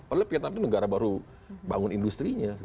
padahal vietnam itu negara baru bangun industri nya segala macam